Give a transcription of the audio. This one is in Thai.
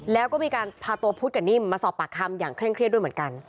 แล้วก็มีการพาตัวพุทธกับนิ่มมาสอบปากคำอย่างเคร่งเครียดด้วยเหมือนกัน